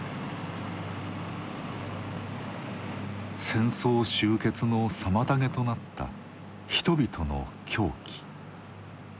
戦争終結の妨げとなった「人々の狂気」。